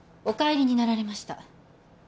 お帰りになられました